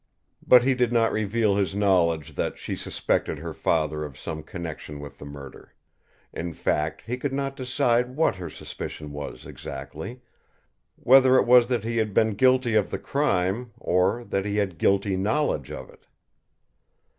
But he did not reveal his knowledge that she suspected her father of some connection with the murder. In fact, he could not decide what her suspicion was exactly, whether it was that he had been guilty of the crime or that he had guilty knowledge of it.